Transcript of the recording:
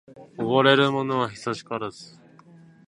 おごれるものは久しからず